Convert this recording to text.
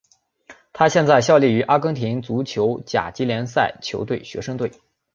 他现在效力于阿根廷足球甲级联赛球队学生队。